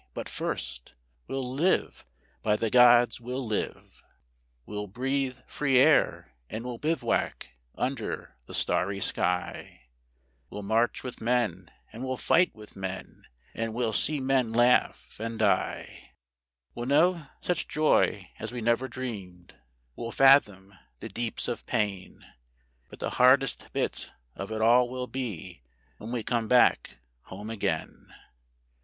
. but first we'll live; by the gods, we'll live! We'll breathe free air and we'll bivouac under the starry sky; We'll march with men and we'll fight with men, and we'll see men laugh and die; We'll know such joy as we never dreamed; we'll fathom the deeps of pain: But the hardest bit of it all will be when we come back home again.